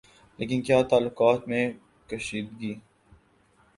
لیکن کیا تعلقات میں کشیدگی